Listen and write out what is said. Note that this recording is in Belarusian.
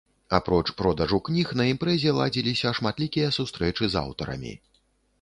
Апроч продажу кніг на імпрэзе ладзіліся шматлікія сустрэчы з аўтарамі.